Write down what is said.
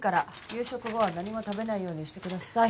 夕食後は何も食べないようにしてください。